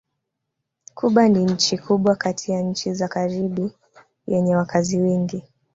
Kuba ni nchi kubwa kati ya nchi za Karibi yenye wakazi wengi.